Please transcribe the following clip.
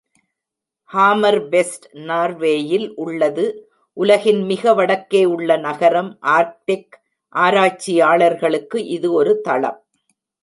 Hammer best நார்வேயில் உள்ளது உலகின் மிக வடக்கே உள்ள நகரம் ஆர்க்டிக் ஆராய்ச்சியாளர்களுக்கு இது ஒரு தளம்.